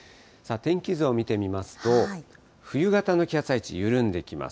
天気図を見てみますと、冬型の気圧配置緩んできます。